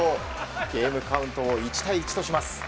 ゲームカウントを１対１とします。